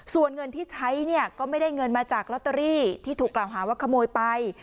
ส่วนเงินที่ใช้เนี่ยก็ไม่ได้เงินมาจากลอตเตอรี่ที่ถูกกล่าวหาว่าขโมยไป